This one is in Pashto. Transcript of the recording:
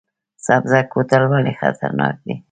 سبزک کوتل ولې خطرناک دی؟